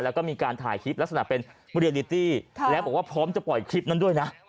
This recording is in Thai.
แล้วก็มีการถ่ายคลิปลักษณะเป็นบุรี้แล้วบอกว่าพร้อมจะปล่อยคลิปนั้นด้วยนะ